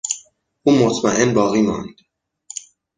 او مطمئن باقی ماند.